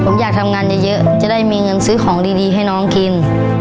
ผมอยากทำงานเยอะจะได้มีเงินซื้อของดีให้น้องกิน